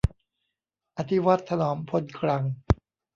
อธิวัตร ถนอมพลกรัง